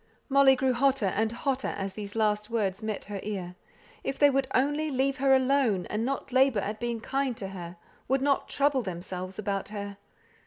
Molly grew hotter and hotter as these last words met her ear. If they would only leave her alone, and not labour at being kind to her; would "not trouble themselves" about her!